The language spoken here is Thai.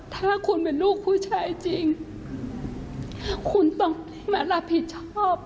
ถ้าคุณเป็นลูกผู้ชายจริงคุณต้องมารับผิดชอบ